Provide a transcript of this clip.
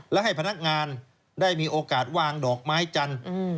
และให้พนักงานได้มีโอกาสวางดอกไม้จันทร์